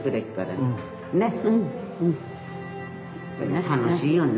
ね楽しいよね。